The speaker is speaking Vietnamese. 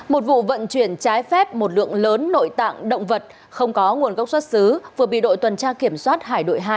một vụ vận chuyển trái phép một lượng lớn nội tạng động vật không có nguồn gốc xuất xứ vừa bị đội tuần tra kiểm soát hải đội hai